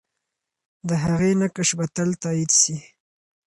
د هغې نقش به تل تایید سي.